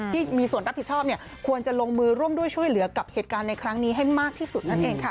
ที่มีส่วนรับผิดชอบควรจะลงมือร่วมด้วยช่วยเหลือกับเหตุการณ์ในครั้งนี้ให้มากที่สุดนั่นเองค่ะ